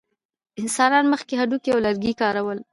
انسانانو مخکې هډوکي او لرګي کارول.